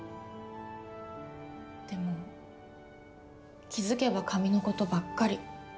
でも気付けば紙のことばっかり。